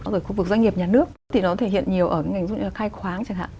rồi khu vực doanh nghiệp nhà nước thì nó thể hiện nhiều ở ngành khai khoáng chẳng hạn